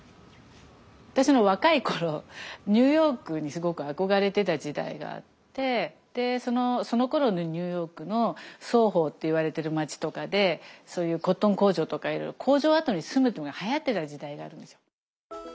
私が若い頃ニューヨークにすごく憧れてた時代があってそのころのニューヨークのソーホーっていわれてる街とかでコットン工場とか工場跡に住むというのがはやってた時代があるんですよ。